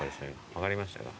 分かりましたか？